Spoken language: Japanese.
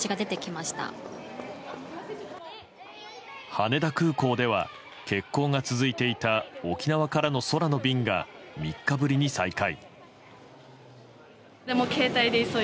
羽田空港では欠航が続いていた沖縄からの空の便が３日ぶりに再開。